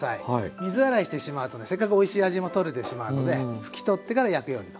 水洗いしてしまうとねせっかくおいしい味も取れてしまうので拭き取ってから焼くようにと。